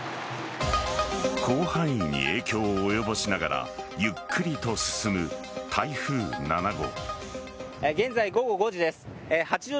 広範囲に影響を及ぼしながらゆっくりと進む台風７号。